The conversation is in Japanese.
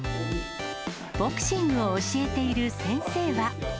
ボクシングを教えている先生は。